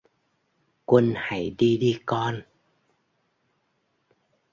Quân Hãy đi đi con